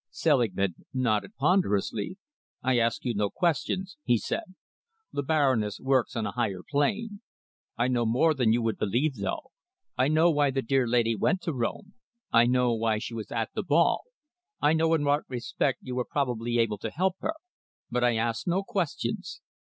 Selingman nodded ponderously. "I ask you no questions," he said. "The Baroness works on a higher plane. I know more than you would believe, though. I know why the dear lady went to Rome; I know why she was at the ball. I know in what respect you were probably able to help her. But I ask no questions.